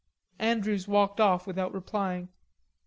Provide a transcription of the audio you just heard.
Andrews walked off without replying.